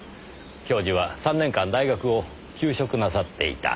教授は３年間大学を休職なさっていた。